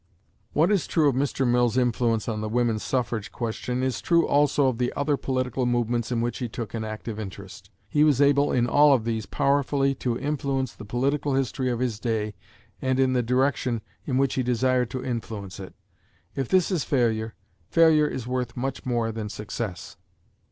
What is true of Mr. Mill's influence on the women's suffrage question is true also of the other political movements in which he took an active interest. He was able in all of these powerfully to influence the political history of his day in the direction in which he desired to influence it. If this is failure, failure is worth much more than success.